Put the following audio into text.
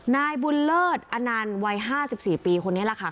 นายบุญเลิศอนันต์วัย๕๔ปีคนนี้แหละค่ะ